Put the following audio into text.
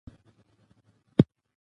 ته چي صبر کړې غرور پکښي څرګند دی